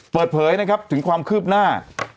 เปิดเผยถึงความคืบหน้า